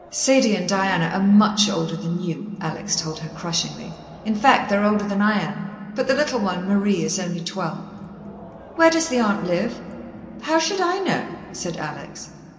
"Sadie and Diana are much older than you," Alex told her crushingly. "In fact, they're older than I am. But the little one, Marie, is only twelve." "Where does the aunt live?" "How should I know?" said Alex.